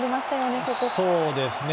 そうですね。